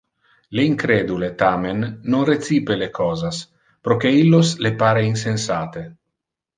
Le incredule, tamen, non recipe le cosas, proque illos le pare insensate.